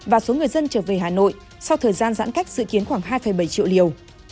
và số người dân trở về hà nội sau thời gian giãn cách dự kiến khoảng hai bảy triệu liều